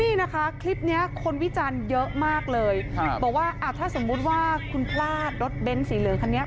นี่นะคะคลิปนี้คนวิจารณ์เยอะมากเลยบอกว่าอ่าถ้าสมมุติว่าคุณพลาดรถเบ้นสีเหลืองคันนี้